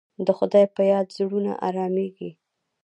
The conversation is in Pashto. د خدای په یاد زړونه ارامېږي.